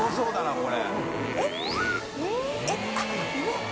これ。